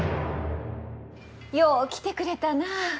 よう来てくれたなあ。